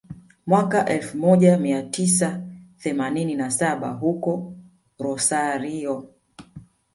mwaka elfu moja mia tisa themanini na saba huko Rosario